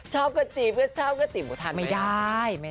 ชอบกระจีบก็ชอบกระจีบทานไม่ได้